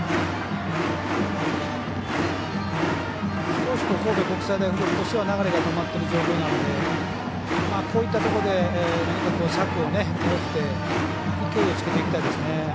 少し神戸国際大付属としては流れが止まっている状況なのでこういったところで何か策を講じて勢いをつけていきたいですね。